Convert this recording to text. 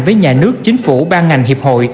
với nhà nước chính phủ ban ngành hiệp hội